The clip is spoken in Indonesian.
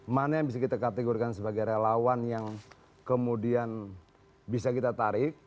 mana yang bisa kita kategorikan sebagai relawan yang kemudian bisa kita tarik